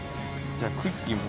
じゃあクッキーも。